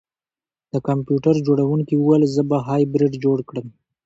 د کمپیوټر جوړونکي وویل زه به هایبریډ جوړ کړم